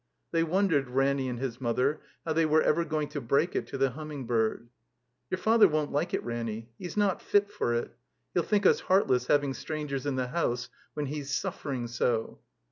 They wondered, Ranny and his mother, how they were ever going to break it to the Humming bird. "Yotir Father won't like it, Ranny. He's not fit. for it. He'll think us heartless, having strangers in the house when He's suffering so."